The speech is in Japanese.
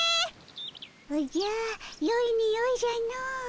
おじゃよいにおいじゃの。